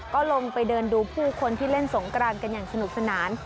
ก็ลงไปเดินดูผู้คนที่เล่นสงกรานกันอย่างสนุกสนาน